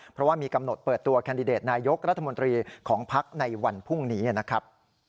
เพราะว่ามีกำหนดเปิดตัวแคนดิเดตนายกรัฐมนตรีของพักในวันพรุ่งนี้นะครับ